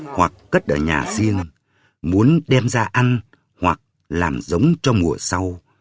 hoặc cất ở nhà riêng muốn đem ra ăn hoặc làm giống cho mùa sau